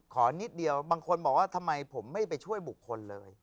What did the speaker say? นิดเดียวบางคนบอกว่าทำไมผมไม่ไปช่วยบุคคลเลย